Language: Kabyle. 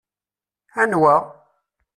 Anwa?